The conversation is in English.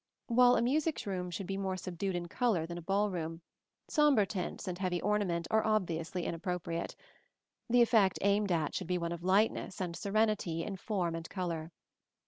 While a music room should be more subdued in color than a ball room, sombre tints and heavy ornament are obviously inappropriate: the effect aimed at should be one of lightness and serenity in form and color.